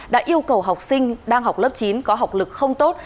đã yêu cầu học sinh đang học lớp chín có học lực không tốt